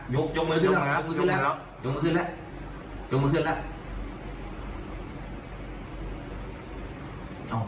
ยกมือขึ้นแล้วยกมือขึ้นแล้วยกมือขึ้นแล้ว